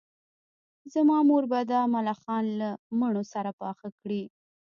زما مور به دا ملخان له مڼو سره پاخه کړي